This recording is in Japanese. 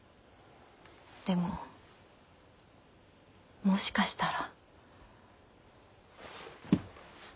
でももしかしたら。